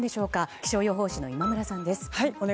気象予報士の今村さんです。